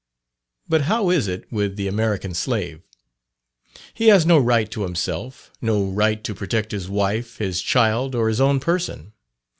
But how is it with the American Slave? He has no right to himself, no right to protect his wife, his child, or his own person.